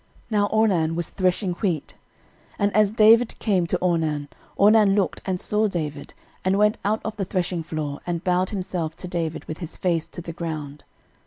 Now Ornan was threshing wheat. 13:021:021 And as David came to Ornan, Ornan looked and saw David, and went out of the threshingfloor, and bowed himself to David with his face to the ground.